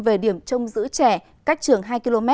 về điểm trông giữ trẻ cách trường hai km